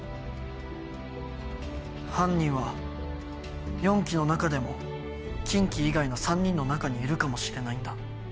犯人は四鬼の中でも金鬼以外の３人の中にいるかもしれないんだ。